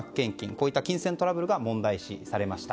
こういった金銭トラブルが問題視されました。